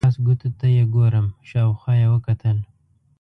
د لاس ګوتو ته یې ګورم، شاوخوا یې وکتل.